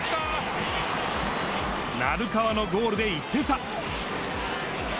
鳴川のゴールで１点差。